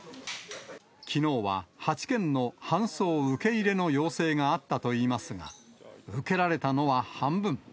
きのうは８件の搬送受け入れの要請があったといいますが、受けられたのは半分。